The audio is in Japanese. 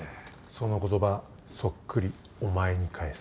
その言葉そっくりお前に返す。